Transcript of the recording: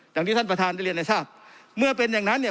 อย่างที่ท่านประธานได้เรียนให้ทราบเมื่อเป็นอย่างนั้นเนี่ย